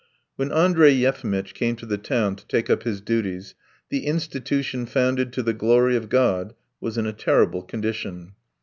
When Andrey Yefimitch came to the town to take up his duties the "institution founded to the glory of God" was in a terrible condition.